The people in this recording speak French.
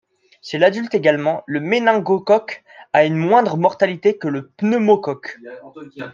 Chez l'adulte également, le méningocoque a une moindre mortalité que le pneumocoque.